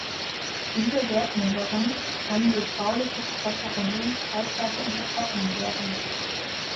Diese Wertminderung kann durch bauliche Verbesserungen zeitweise unterbrochen werden.